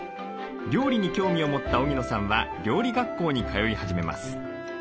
料理に興味を持った荻野さんは料理学校に通い始めます。